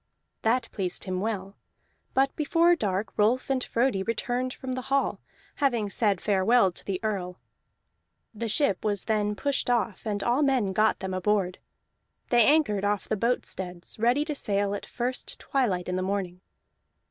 That pleased him well. But before dark Rolf and Frodi returned from the hall, having said farewell to the Earl. The ship was then pushed off, and all men got them aboard; they anchored off the boat steads, ready to sail at first twilight in the morning.